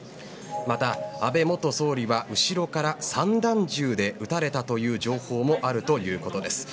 また、安倍元総理は後ろから散弾銃で撃たれたという情報もあるということです。